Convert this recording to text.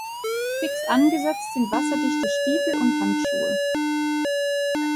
Fix angesetzt sind wasserdichte Stiefel und Handschuhe.